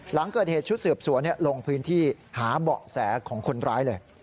หลังเกิดเหตุชุดสืบสวนลงพื้นที่หาเบาะแสของคนร้ายเลย